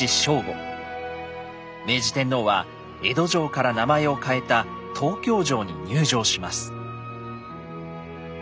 明治天皇は江戸城から名前を変えた東京城に入城します。